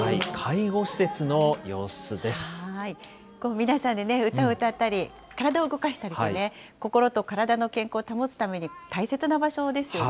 皆さんでね、歌を歌ったり、体を動かしたり、心と体の健康を保つために大切な場所ですよね。